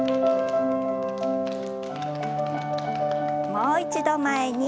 もう一度前に。